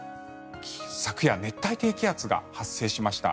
昨夜、熱帯低気圧が発生しました。